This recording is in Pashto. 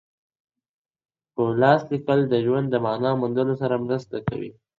په لاس لیکل د ژوند د مانا د موندلو سره مرسته کوي.